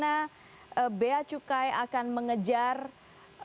karena bagaimana masyarakat ini mengejar kasus ini